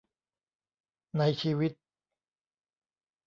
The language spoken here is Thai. ในชีวิต